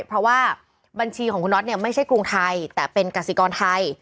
เพราะว่าบัญชีของคุณน็อตเนี่ยไม่ใช่กรุงไทยแต่เป็นกสิกรไทย